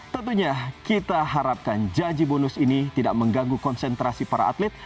tentunya kita harapkan janji bonus ini tidak mengganggu konsentrasi para atlet